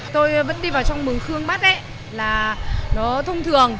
tôi vẫn đi vào trong bường khương bắt đấy là nó thông thường